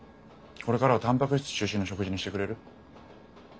これからはタンパク質中心の食事にしてくれる？